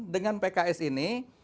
dengan pks ini